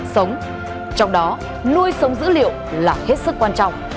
sống trong đó nuôi sống dữ liệu là hết sức quan trọng